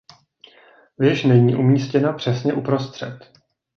Věž není umístěna přesně uprostřed.